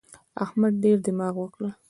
احمد ډېر دماغ وکړ.